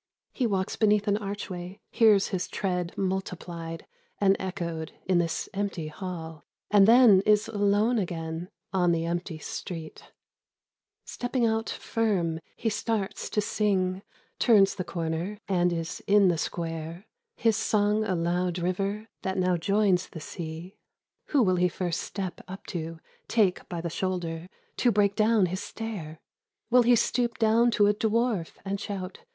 He walks beneath an archway, hears his tread Multiplied and echoed in this empty hall, And then is alone again on the empty street. 62 " Laughing Lions Will Come." Stepping out iirm, he starts t(j sing, Turns the corner and is in the square, — His song a loud river that now joins the sea. Who will he first step up to. Take by the shoulder, To break down his stare ? Will he stoop down to a dwarf and shout.